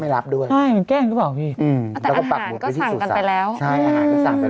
ให้เบอร์โทรศัพท์ไว้